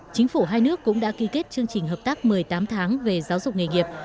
chính phủ hai nước cũng đã ký kết chương trình hợp tác một mươi tám tháng về giáo dục nghề nghiệp